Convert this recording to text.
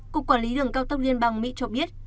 cục quản lý đường cao tốc liên bang mỹ cho biết